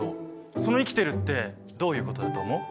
その生きてるってどういうことだと思う？